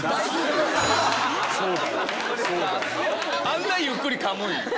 あんなゆっくり噛むんや。